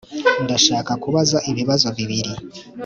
Ndashaka kubaza ibibazo bibiri